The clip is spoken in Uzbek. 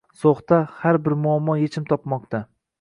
So‘xda har bir muammo yechim topmoqda